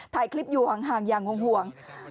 ถ่ายคลิปอยู่ห่างอย่างห่วง